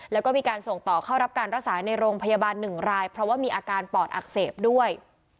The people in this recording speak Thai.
แล้วก็มีการส่งต่อเข้ารับการรักษาในโรงพยาบาล๑รายเพราะว่ามีอาการปอดอักเสบด้วย